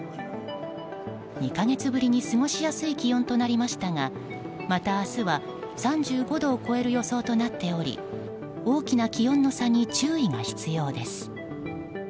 ２か月ぶりに過ごしやすい気温となりましたがまた明日は３５度を超える予想となっており大きな気温の差に注意が必要です。